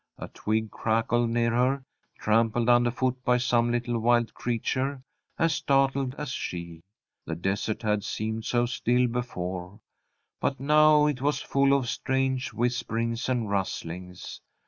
A twig crackled near her, trampled underfoot by some little wild creature as startled as she. The desert had seemed so still before, but now it was full of strange whisperings and rustlings.